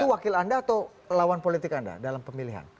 ini wakil anda atau lawan politik anda dalam pemilihan